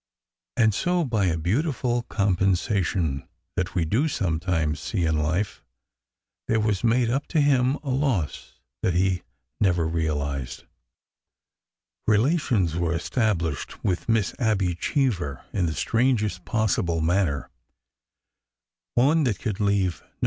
And so, by a beautiful compensation that we do sometimes see in life, there was made up to him a loss that he never realized. Relations were established with Miss Abby Cheever in the strangest possible manner, — one that could leave no 410 ORDER NO.